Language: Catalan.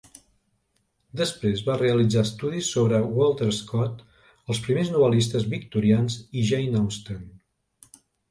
Després va realitzar estudis sobre Walter Scott, els primers novel·listes victorians i Jane Austen.